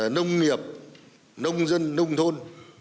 nông nghiệp nông dân nông thôn